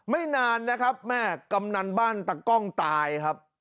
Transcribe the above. ไม่นานนะครับแม่กำนันบ้านตะกล้องตายครับ